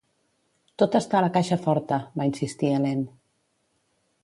"Tot està a la caixa forta", va insistir Helene.